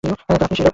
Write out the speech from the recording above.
তো আপনিই সেই লোক।